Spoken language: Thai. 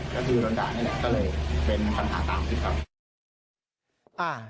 ก็คือโดนด่านี่แหละก็เลยเป็นปัญหาตามคลิปครับ